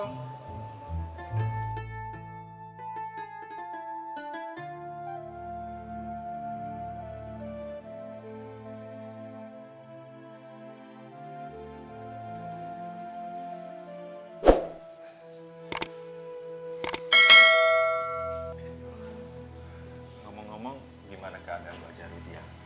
ngomong ngomong gimana kagak belajar di dia